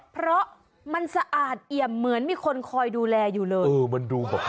เพราะมันสะอาดเอี่ยมเหมือนมีคนคอยดูแลอยู่เลย